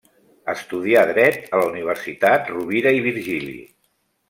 Estudià dret a la Universitat Rovira i Virgili.